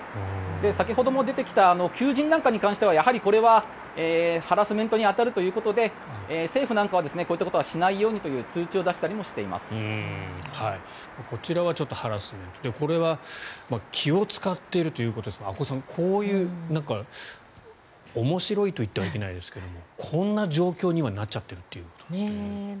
先ほども出てきた求人なんかに関してはハラスメントに当たるということで政府なんかは、こうしたことはしないようにというこちらはハラスメントこれは気を使っているということですが阿古さん、こういう面白いと言ってはいけないですがこんな状況になっちゃってるということなんですが。